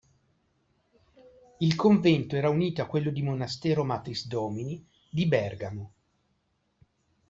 Il convento era unito a quello di Monastero Matris Domini di Bergamo.